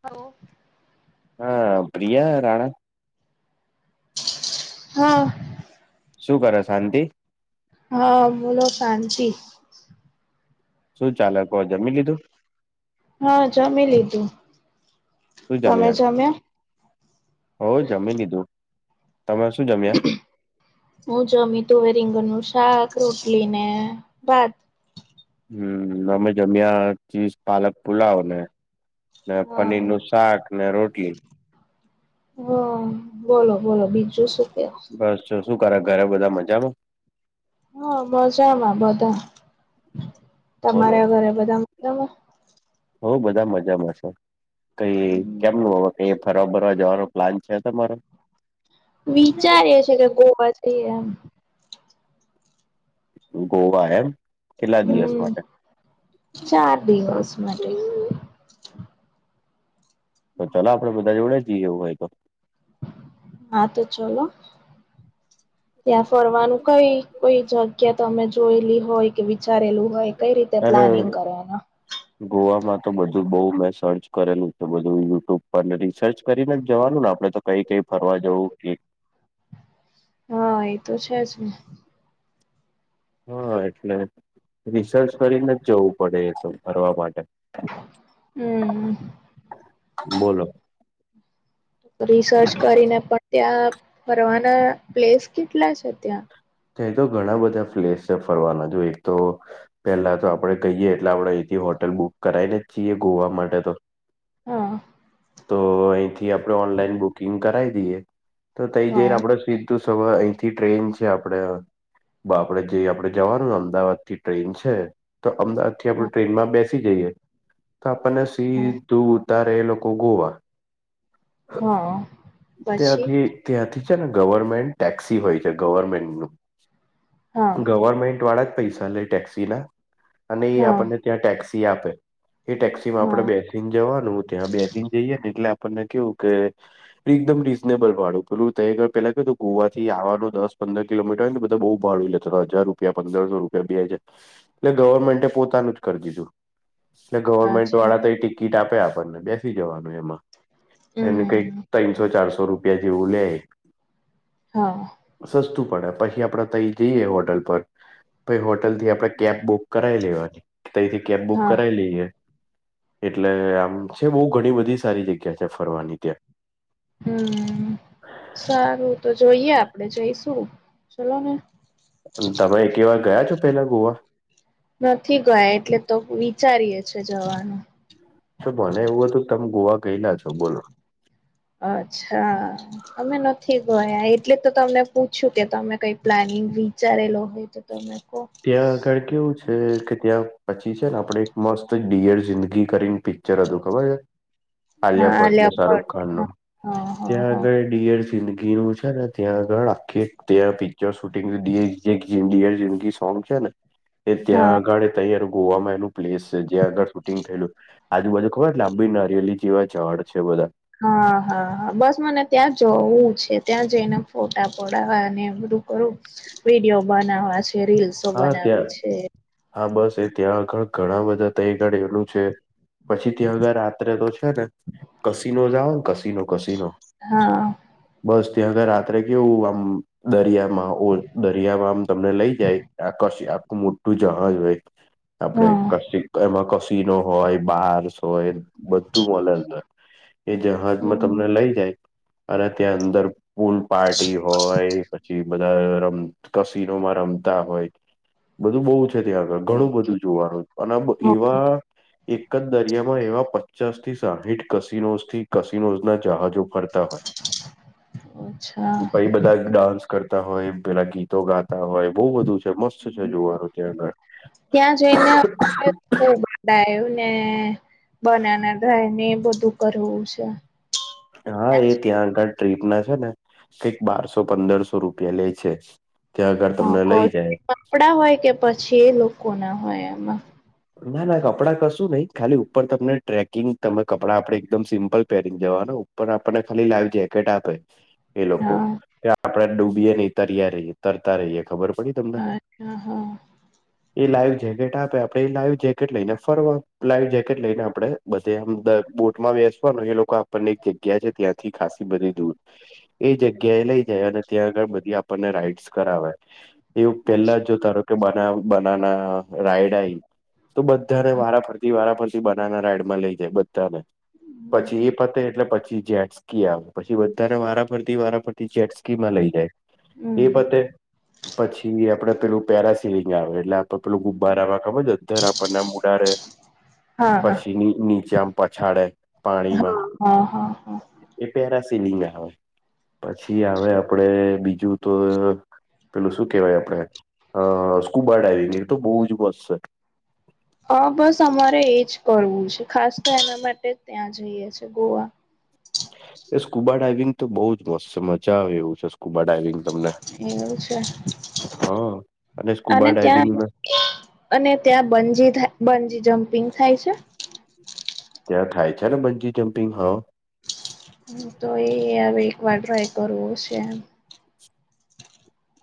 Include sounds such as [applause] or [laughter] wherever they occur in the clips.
હ [unintelligible] હા પ્રિયા રાણા હા શું કરે શાંતિ હા બોલો શાંતિ શું ચાલે કોઈ જમી લીધું. હા જામી લીધું તમે જમ્યા હો જમી લીધું તમે શું જમ્યા હું જમી તો રીંગણનું શાક રોટલી ને ભાત હમ અમે જમ્યા ચીઝ પાલક પુલાવ ને ને હા પનીર ને શાક ને રોટી હા બોલો બોલો બીજું શું કે બસ જો શું કરે ઘરે બધા મજામાં હા મજામાં બધા બોલો તમારા ઘરે બધા મજા મા હોઉ બધા મજામાં છે કઈ કેમનું હવે કઈ ફરવા ભરવા જવાનો પ્લાન છે તમારો વિચારી છે કે ગોવા જઈએ એમ ગોવા એમ કેટલા દિવસ હમ માટે ચાર દિવસ માટે તો ચાલ આપણે બધા જોડે જઈએ એવું હોય તો હા તો ચલો [inaudible] ત્યાં ફરવાનું કઈ કોઈ જગ્યા તમે જોયેલી હોય કે વિચારેલું હોય કઈ રીતે અને પ્લાનિંગ કરવાનુ [inaudible] ગોવામાં તો બધું બહુ મેં સર્ચ કરેલું છે બધું યુટ્યુબ પર ને રિસર્ચ કરીને જવાનું ને આપણે તો કઈ કઈ ફરવા જવું હા એ તો છે જ ને હા એટલે રિસર્ચ કરીને જ જવું પડે એ તો કરવાવા માટે હમ બોલોલો રિસર્ચ કરીને પણ ત્યાં ફરવાના પ્લેસ કેટલા છે ત્યાં ત્યાં તો ઘણા બધા પ્લેસ છે ફરવાના જો એક તો પેલા તો આપડે કહીએ એટલે આપણેે અહીથી હોટલ બુક કરાઈને જ છીએ ગોવા માટે તો હા તો અહીંથી આપણેે ઓનલાઈન બુકિંગ કરાવી દઈએ તો થઈ હા જઈને આપડ તો સવા અહીંથી ટ્રેન છે આપ આપડ બા આપડે જેઈ આપડણે જવાનું અમદાવાદ થી ટ્રેન છે તો અમદાવાદ થી આપડું હા ટ્રેનમાં બેસી જઈએ તો આપણને સી તું તારે એ લોકો ગોવા હા હા પછી ત્યાંથી ત્યાંથી છે ને ગવર્મેન્ટ ટેક્સી હોય છે ગવર્મેન્ટ હા ગવર્મેન્ટ વાળા જ પૈસા લે ટેક્સી ના અને એ હા આપણને ત્યાં ટેક્સી આપે એ ટેક્સી માં હા આપડ બેસીને જવાનું ત્યાં બેસીને જઈએ ને એટલે આપણને કેવું કે એકદમ રીઝનેબલ વાળું પેલું તર પેલા ક ગોવાથી આવવાનું દસ પંદર કિલોમીટર ને બધ બુ ભાું લે હજાર રૂપ પંદરસો રૂપિયા બેાય છે. એટલે ગવર્મેન્ટ પોતાનું જ કરી દીધું એટલે ગવર્મેન્ટ અચ્છા વાળા તો એ ટિકિટ આપે આપણને બેસી જવાનું એમાં એને કઈક હમ ત્રનસો ચારસો રૂપિયા જેવું લે હા. સસ્તું પડે પછી આપડે તઈ જઈએ હોટલ પર પ હોટલ થી આપડે કેબ બુક કરાવી લેવાની તથી કેબ બુક હા કરાવાઈ લઈએ. એટલે આમ છે બહ ઘણી બધી સારી જગ્યા છે ફરવાની ત્યાં હમ. સારું તો જોઈએ આપડે જઈ શું ચલો ને તમે એક એવાર ગયા છો પેલા ગોવા નથી ગયા એટલે તો વિચારીએે છે જવાનું શ ભોને એવું હતું તમે ગોવા ગયેલા છો બોલો. અચ્છા અમે નથી ગયા એટલે તો તમને પૂછ્યું કે તમે કઈ પ્લાનિંગ વિચારેલો હોય. તો તમે કહો ત્યાં આગડ કેવું છે કે ત્યાં પછી છે ને આપડે એક મસ્ત ડિયર જિંદગી કરીને પિક્ચર હતું ખબર છે. હા આલિયાપટને લેપડ શહરૂખ ત્યાં હા હા હા આગળ ડિયર સિંદગી નું છે ને ત્યાં આગળ આખી ત્યાં પી જો શૂટિંગની સોંગ છે ને એ ત્યાં હા અગાડે તંયાર ગોવામાં એનું પ્લેસ છે જ્યાં આગળ શૂટિંગ થયેલું આજુબાુ ખબર લાંબી નરિયલી જેવા ઝડ છે બધા હા હા હા બસ મને ત્યાં જવું છે ત્યાં જઈને ફોટા પડાવવા અને બધું કરું વિડીિયો બનાવા છે રીલ્સ હા ત્યાં હા બસ એ ત્યાં આગળ ઘણા બધા તય ગડી એલું છે. પછી ત્યાં અગર રાત્રે તો છે ને કસીનો જઓ ને કસીનો કસીનો. હા. બસ ત્યાંગ રાત્રે કેવું આમ દરિયા ઓ દરિયામાંમ તમને લઈ જાય આકાશી આખું મોટું જહાજ હોય. આપડ હા કશ એમાં કશિનો હોય બાર્સ હોય બધું મળેલ એ જહાજમાં હમ તમને લઈ જાય અને ત્યાં અંદર પૂલ પાર્ટી હોય પછી બધા રમ કસીનોમાં રમતા હોય. બધું બહુ છે ત્યાં આગળ ઘણું ઓકે બધું જોવાનું અને હ એવા એક જ દરિયામાં એવા પચાસ થી સાહીઠ કસિનો થી કસિનોઝ ના જહાજો ફરતા હોય અચ્છા ભાઈ બધા ડાન્સ કરતા હોય પેલા ગીતો ગાતા હોય બહુ બધું છે મસ્ત છે જોવાનું ત્યાંગ ખૂબડા આવું ને બનાના ધાય ને એ બધું કરવું છે. હા એ ત્યાં આગળ ટ્રીપ ના છે ને કઈક બારસો પંદરસો રૂપિયા લે છે. ત્યાં આગર અ તમને લઈ કોટન જાય. કપડા હોય કે પછી એ લોકો ના હોય એમાં ના ના કપડાં કશું નહિ ખાલી ઉપર તમને ટ્રેકિંગ તમે કપડાં આપણેે એકદમ સિમ્પલ પહેરી જવાનુ પણ આપણને ખાલી લાવ જેકેટ આપે. એ લોકો હા કે આપડે ડૂબીએે નહી તર્યા રેય તરતા રેય ખબર પડી તમને અચ્છા હા એ લાઈવ જેકેટ આપે આપને લાઈવ જેકેટ લઈને ફરવા લાઈવ જેકેટ લઈને આપડે બધે આમ અંદર બોટ માં બેસવાનું એ લોકો પણ એક જગ્યા છે ત્યાંથી ખાાસસી બધી દૂર એ જગ્યા એ લઈ જાય અને ત્યાં આગળ બધી આપણને રાઈડસ કરાવે એવું પેલા અચ્છા જો તારો કે બના બનાના રાયડા તો બધાને વારાફરતી વારાફરતી બનાવના રાઈડમાં લઈ જાય બધાને પછી એ ફતે એટલે પછી જે. ક આવે પછી બધાને વારાફરતી વારા ફરતી જેેટ સ્કી માં લઈ જાય. એ હમ પતે પછી આપડે પેલું પેરા સિલિંગ આવે એટલે પેલું ગુબ્બારાવા ખબર છે અધર આપણને ઉડાડે હા હા પછીની નીચેમ પછાડે પાણીમાં હા હા હા એ પેરાસિલિંગ આવે પછી આવે આપડે બીજું તો પેલું શું કેહેવાય આપણેે અ સ્કૂબા ડાઈવિંગ એ તો બહુ જ મસ્ત છે. હા બસ અમારે એજ કરવું છે ખાસ તો એના માટે જ ત્યાં જઈએ છે ગોવા એ સ્કૂબા ડાઈવિંગ તો બહુ જ મસ્ત મજા આવે એવું છે. સ્કુબા ડાઈવિંગ તમને એવું છે હ અને સ્કુબા ડાઈવિંગમાં અને ત્યાં બંજી થાય બંજી જમ્પિંગ થાય છે? ત્યાં થાાય છે ને બજી જમ્પિંગ હા હ તો એ હવે એક વાર ટ્રાય કરવો છે.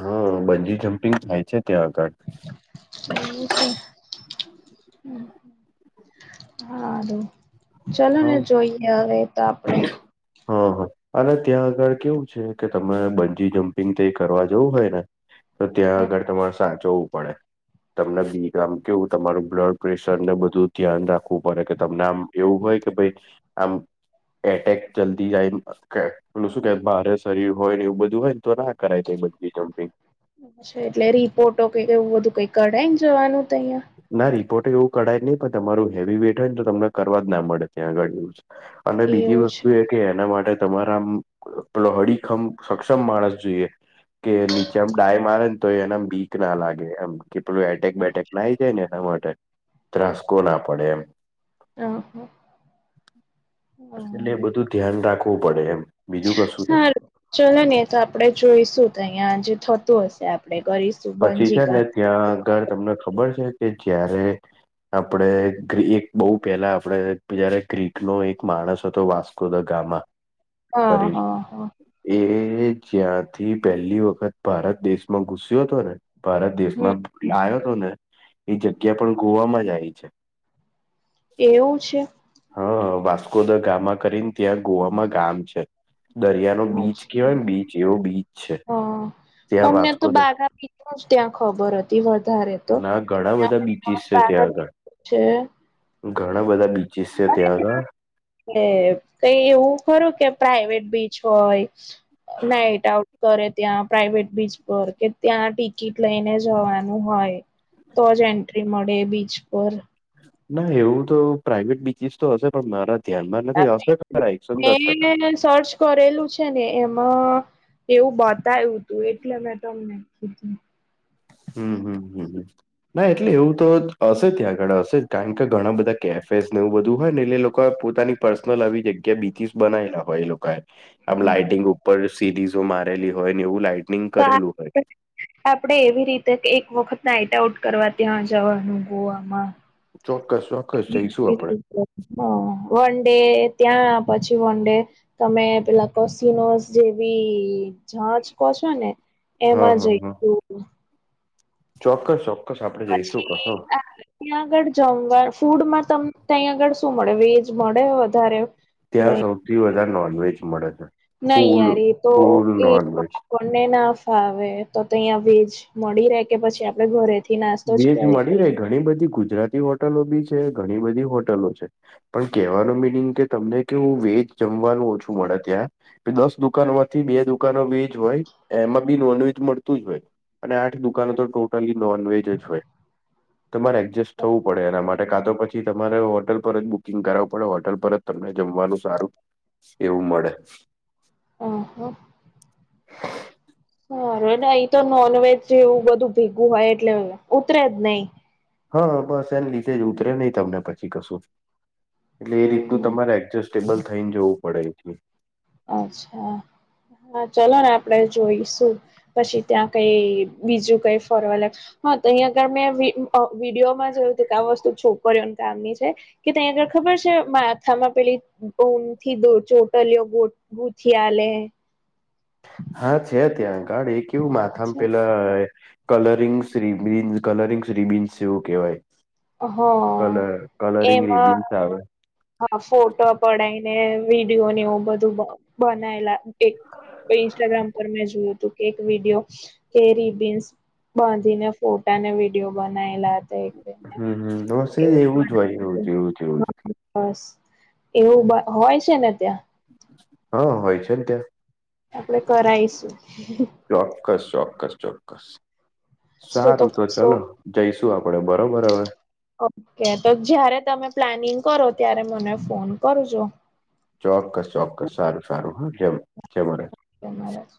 હા બંજી જમ્પિંગ થાય છે ત્યાં આગળ હમ્મ [inaudible] હારું ચલો ને હા જોઈએ હવે તો આપડે હા હા. અને ત્યાં આગળ કેવું છે કે તમે બંજી જમ્પિંગ તે એ કરવા જવું હોય ને તો ત્યાં આગળ તમારે સાચવું પડે. તમને બી આમ કેવું તમારું બ્લડ પ્રેશર ને બધું ધ્યાન રાખવું પડે કે તમને આમ એવું હોય કે ભાઈ આમ એટેક જલ્દી જાય કે પેલું શું કે ભારે શરીર હોય ને એવું બધું હોય ને તો ના કરાય બંજી જમ્પિંગ છે એટલે રિપોર્ટો કઈ એવું બધું કઈ કઢાયને જવાનું તો અહિયા ના રિપોર્ટ એવું કઢાય જ નહી પણ તમારું હેવી વેટ હોય ને તો તમને કરવા જ ના મળડે ત્યાં આગળ એવું છે. અને બીજી એવું વસ્તુ છે હા એ કે એના માટે તમારા આમ પેલો અડીખમ સક્ષમ માણસ જોઈએ. કે નીચેમ ડાય મારે ને તો એના બીક ના લાગે એમ કે પેલું એટેક બેટેક નાઈ જાય ને એના માટે ત્રાસ કો ના પડે એમ આમ એટલે એ બધું ધ્યાન રાખવું પડે એમ બીજું કશું નહી. હા ચલો ને તો આપડે જોઈશું તો અહિયાં જે થતું હશે આપડે કરીશું પછી છે બંજીકા ને ત્યાં આગળ તમને ખબર છે કે જયારે આપણે એક બહુ પેલા આપડે જયારે ગ્રીક નો એક માણસ હતો વાસ્ કોદ ગામાં હા કરીને હા હા એ જ્યાંથી પહેલી વખત ભારત દેશમાં ઘુસ્યો હતો ને ભારત હમ દેશમાં આયો હતો ને એ જગ્યા પણ ગોવામાં જ આવી છે. એવું છે હા વાસ્કો દ ગામાં કરીને ત્યાં ગોવામાં ગામ છે. દરિયાનો બીચ અચ્છા કેવાયને બીચ એવો બીચ છે. હા ત્યાં અમને તો વાસ્કો દ બાગા બીચ નુંજ ત્યાં ખબર હતી વધારે તો ના ઘણા બધા બીચીસ છે ત્યાં આગળ [unintelligible] છે ઘણા બધા બીચીસ છે ત્યાં આગળ એ કઈ એવું ખરું કે પ્રાઈવેટ બીચ હોય નાઈટ આઉટ કરે ત્યાં પ્રાાઈવેટ બીચ પર કે ત્યાં ટિકિટ લઈને જવાનું હોય તો જ એન્ટ્રી મળે બીચ પર. ના એવું તો પ્રાાઈવેટ બીચિસ તો હશે પણ મારા ધ્યાનમાં નથી હશે ખરા એકસો ને દસ ટકા [unintelligible] કરેલું છે ને એમાં એવું બતાયું તું એટલે મેં તમને કીધું હમ્મ હમ્મ હમ્મ ના એટલે એવું તો હશે ત્યાં આગળ હશે કારણ કે ઘણા બધા કેફેસ ને એવું બધું હોય ને એટલે લોકો પોતાની પર્સનલ આવી જગ્યા બીચસ બનાયલા હોય એ લોકો આમ હમ લાઈઇટિંગ ઉપર સીરીઝો મારેલી હોય ને એવું લાાઈટ તો આપડે એવી રીતે એક વખત નાઈટ આઉટ કરવા ત્યાં જવાનું ગોવામાં ચોક્કસ છ વન ડે ત્યાં પછી વન ડે તમે પેલા કોસિનો જેવી જંચ કહ છો ને હા એમાં જય હા હા ચોક્કસ ચોક્કસ આપડે જઈશું પછી કશું આ ત્યાં આગળ જમવા ફૂડમાં તમને ત્યાં આગળ શું મળે વેજ મળે વધારે ત્યાં સૌથી વધારે નોનવેજ મળે છે નહીં ફૂલ યાર એ તો ફૂલ એ નોનવેજ કોને ના ફાવે તો અહીંયા વેજ મળી રહે કે પછી આપડે ઘરેથી નાસ્તો જ વીજ ક્યારે મળી કરી રહે ઘણી બધી ગુજરાતી હોટલો બી છે ઘણી બધી હોટલો છે પણ કેહેવાનું મિનિંગ કે તમને કેવું વેજ જમવાનું ઓછું મળે ત્યાં દસ દુકાનો થી બે દુકાનો વેજ હોય એમાં બી નોન વજ મળતું જ હોય અને આઠ દુકાનો તો ટોટલી નોનવેજ તમારે એડજસ્ટ થવું પડે એના માટે કા તો પછી થી તમારે હોટલ પર જ બુકિંગ કરાવવું પડે હોટલ પર જ તમને જમવાનું સારું એવું મળે આહા સાર ને અહી તો નોનવેજ જેવું બધું ભેગું હોય એટલે ઉતરે જ નહી હા બસ એને લીધે જ ઉતરે નહીિ તમને પછી કશું એટલે એ રીતનુંું હમ તમારે એડજસ્ટ સ્ટેબલ થઈને જવું પડે એથી અચ્છા હા ચલો ને આપણેે જોઈશું પછી ત્યાં કઈ બીજું કઈ ફરવાલગ હા તો અહીંયા આગળ મેં વિડીયોમાં જોયું હતું કે આ વસ્તુ છોકરીઓને કામની છે કે ત્યાં આગળ ખબર છે માથામાં પેલી ન થી ચોટલીયો ગોટ ભૂથિયાલે હા છે ત્યાં આગળ એ કેવું માથામાં પેલા કલરિંગસ્રીબિન્ કલરિંગ્સ ર્રીબિન્સ જેવું કહેવાય હ કલર કલરિંગ ર એમાં બિનસા આવે હા ફોટો પડીને વિડીિયોને એવું બધું બનાયલા એક ઇન્સ્ટાગ્રામ પર મેં જોયું હતું કે વિડીિયો કેરી બીન્સ બાંધીને ફોટાને વિડીિયો બનાયલા હતા બેને હમ હમ બસ એ એવું જ હોય એવું એવું જ એવું જ હા, બસ એવું હોય છે ને ત્યાં હા હોય છે ને ત્યાં આપડે કરાઈશું ચોક્કસ ચોક્કસ ચોક્કસ સો સારું તો સો ચલો જઈશું આપડે બરોબર હવે ઓકે તો જયારે તમે પ્લાનિંગ કરો ત્યારે મને ફોન કરજો ચોક્કસ ચોક્કસ સારું સારું હા જેમ જે મળે ધવાદ